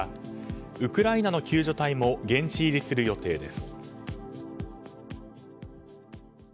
ウクライナの救助隊も現地入りする予定です。